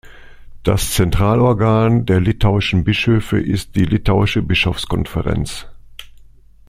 Das Zentralorgan der litauischen Bischöfe ist die Litauische Bischofskonferenz.